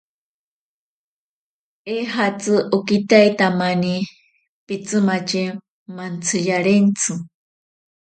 Eejatzi okitaitamani pitsimatye mantsiyarentsi.